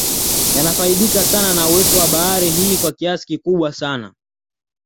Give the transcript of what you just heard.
Yanafaidika sana na uwepo wa bahari hii kwa kiasi kikubwa sana